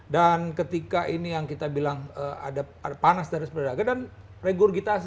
dan ketika ini yang kita bilang ada panas dada seperti terbakar dan regurgitasi